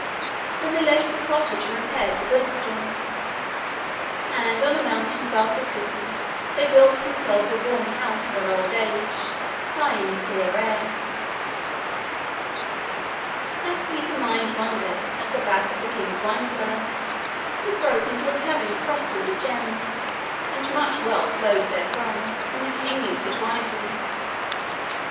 And they left the cottage, and repaired to Gwyntystorm. And on a mountain above the city they built themselves a warm house for their old age, high in the clear air. As Peter mined one day, at the back of the king's wine Cellar, he broke into a cavern crusted with gems, and much wealth flowed therefrom, and the king used it wisely.